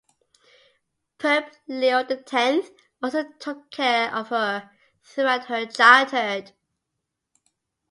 Pope Leo the Tenth also took care of her throughout her childhood.